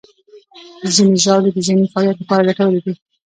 ځینې ژاولې د ذهني فعالیت لپاره ګټورې دي.